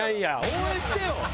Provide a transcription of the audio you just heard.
応援してよ！